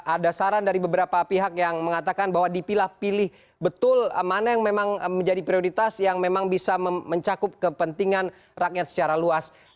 ada saran dari beberapa pihak yang mengatakan bahwa dipilah pilih betul mana yang memang menjadi prioritas yang memang bisa mencakup kepentingan rakyat secara luas